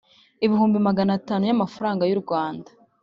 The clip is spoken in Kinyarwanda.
Ibihumbi maganatanu y’ amafaranga y’ u Rwanda